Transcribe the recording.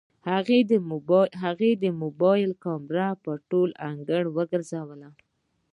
هغې د موبايل کمره په ټول انګړ وګرځوله.